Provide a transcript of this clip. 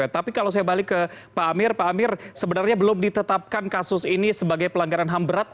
tapi kalau saya balik ke pak amir pak amir sebenarnya belum ditetapkan kasus ini sebagai pelanggaran ham berat